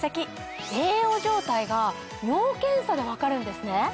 栄養状態が尿検査で分かるんですね？